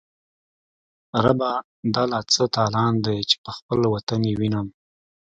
ربه دا لا څه تالان دی، چی به خپل وطن یې وینم